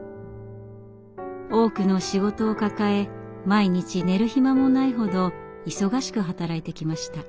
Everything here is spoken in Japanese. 多くの仕事を抱え毎日寝る暇もないほど忙しく働いてきました。